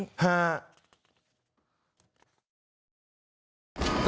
ตะโกโก